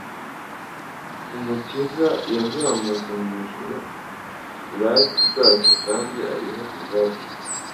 Umukiza yazamutse mu ijuru lat bwacu kandi ariho ku bwacu.